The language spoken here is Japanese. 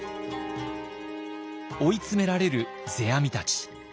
追い詰められる世阿弥たち。